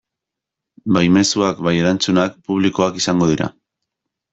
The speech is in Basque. Bai mezuak bai erantzunak publikoak izango dira.